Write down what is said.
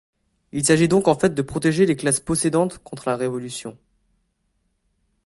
Il s'agit donc en fait de protéger les classes possédantes contre la révolution.